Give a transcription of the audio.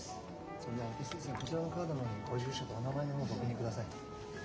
それではお手数ですがこちらのカードの方にご住所とお名前の方ご記入ください。